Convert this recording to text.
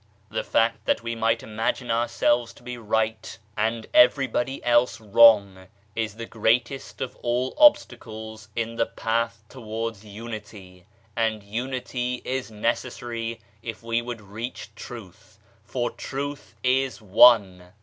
The fact that we imagine ourselves to be right and everybody else wrong is flie greatest of all obstacles in the path towards Unity, and Unity is necessary if we would reach Truth, for Truth is One.